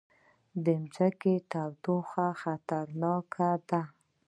د ځمکې تودوخه خطرناکه ده